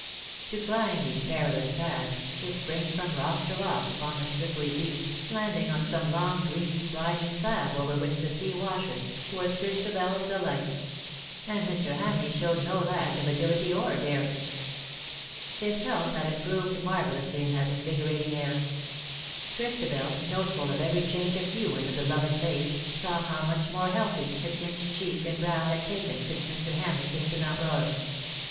To climb these perilous paths, to spring from rock to rock upon the slippery beach, landing on some long green slimy slab over which the sea washes, was Christabers delight — and Mr. Hamleigh showed no lack of agility or daring. His health had im proved marvellously in that invigorating air. Chris tabel, noteful of every change of hue in the beloved face, saw how much more healthy a tinge cheek and brow had taken since Mr. Hamleigh came to Mount Royal.